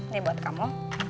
nih buat kamu